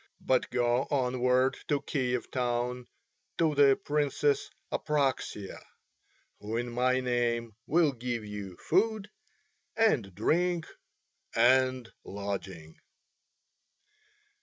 But go onward to Kiev town to the Princess Apraxia, who in my name will give you food and drink and lodging."